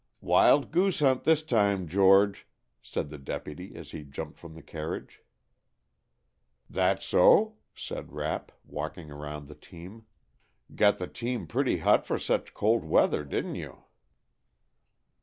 "Wild goose hunt this time, George," said the deputy as he jumped from the carriage. "That so?" said Rapp, walking around the team. "Got the team pretty hot for such cold weather, didn't you?"